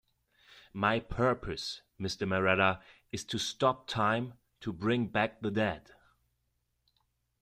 My purpose, Mr. Marratta, is to stop time, to bring back the dead.